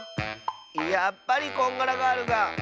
やっぱりこんがらガールが。